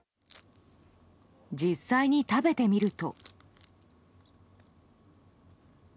実際に食べてみると。